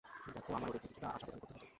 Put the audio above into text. দেখো, আমার ওদেরকে কিছুটা আশা প্রদান করতে হতো।